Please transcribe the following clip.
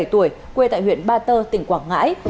một mươi bảy tuổi quê tại huyện ba tơ tỉnh quảng ngãi